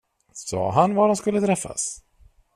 Sa han var de skulle träffas?